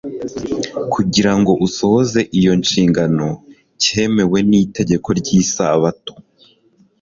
kugira ngo usohoze iyo nshingano, cyemewe n'itegeko ry'isabato.